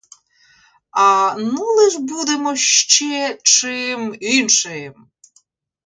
А ну лиш будемо ще чим іншим!